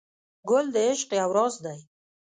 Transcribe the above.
ګل د عشق یو راز دی.